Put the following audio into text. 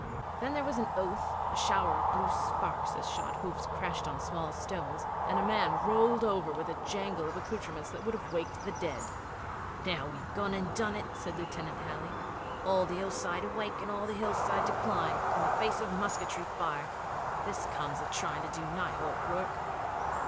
Then there was an oath, a shower of blue sparks as shod hooves crashed on small stones, and a man rolled over with a jangle of accoutrements that would have waked the dead. 'Now we've gone and done it,' said Lieutenant Halley. 'All the hillside awake, and all the hillside to climb in the face of musketry fire. This comes of trying to do night hawk work.'